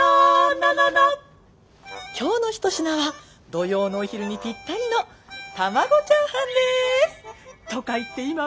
今日の一品は土曜のお昼にぴったりの卵チャーハンです。とか言って今は。